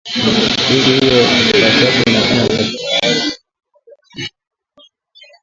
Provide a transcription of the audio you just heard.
Benki hiyo kwa sasa inafanya utafiti wa awali kufahamu kuruhusiwa ama la kwa sarafu za kimtandao